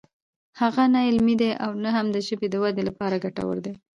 هغه نه علمي دی او نه هم د ژبې د ودې لپاره ګټور دی